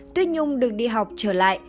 tuyết nhung được đi học trở lại